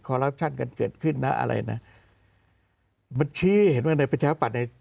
คอลลับชั่นกันเกิดขึ้นแล้วอะไรน่ะเห็นว่าในประชาปัดใน